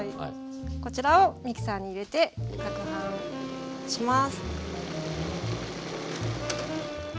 こちらをミキサーに入れてかくはんします。